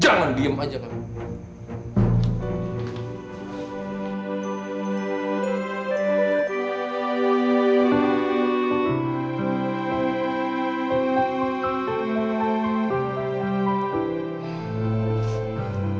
jangan diem aja kamu